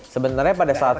sebenarnya pada saat